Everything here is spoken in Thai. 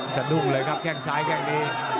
สะดุ้งเลยครับแค่งซ้ายแข้งนี้